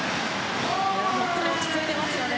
本当に落ち着いていますよね。